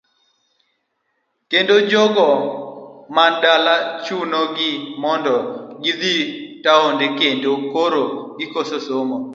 Kendo jogo man dala chuno gi ni mondo gidhi taonde kendo koro gikoso somo.